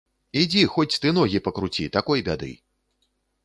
Ідзі, хоць ты ногі пакруці, такой бяды.